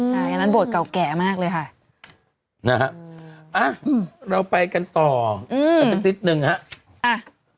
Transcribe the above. ใช่ใช่อันนั้นโบสถ์เก่าแก่มากเลยค่ะนะฮะอ่ะเราไปกันต่ออืมติดติดหนึ่งฮะอ่ะ